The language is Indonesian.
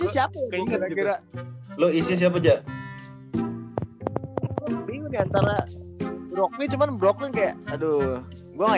siapa kira kira lu isi siapa aja bingung antara rohnya cuman brooknya kayak aduh gua